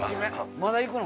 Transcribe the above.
まだいくの？